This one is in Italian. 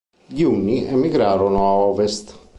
Gli Unni emigrarono a ovest.